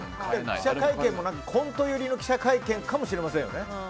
記者会見もコント寄りの記者会見かもしれないですよね。